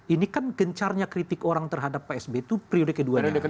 ini kan gencarnya kritik orang terhadap pak s b itu priode kedua